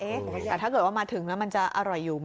แต่ถ้าเกิดว่ามาถึงแล้วมันจะอร่อยอยู่ไหม